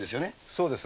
そうです。